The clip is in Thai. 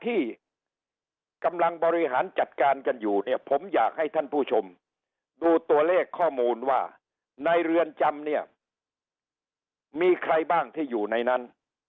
ที่กำลังบริหารจัดการกันอยู่เนี่ยผมอยากให้ท่านผู้ชมดูตัวเลขข้อมูลว่าในเรือนจำเนี่ยมีใครบ้างที่อยู่ในนั้น